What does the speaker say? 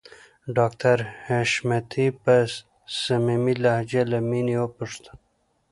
ډاکټر حشمتي په صميمي لهجه له مينې وپوښتل